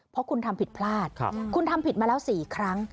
เพราะคุณทำผิดพลาดคุณทำผิดมาแล้ว๔ครั้ง